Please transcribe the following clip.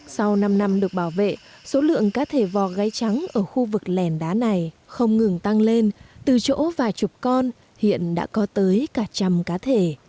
sau năm năm được bảo vệ số lượng cá thể vò gáy trắng ở khu vực lèn đá này không ngừng tăng lên từ chỗ vài chục con hiện đã có tới cả trăm cá thể